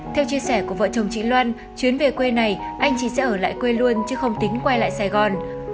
theo chia sẻ của vợ chồng chị loan chuyến về quê này anh chị sẽ ở lại quê luôn chứ không tính quay lại sài gòn